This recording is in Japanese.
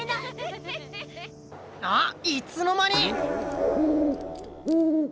あいつの間にィ。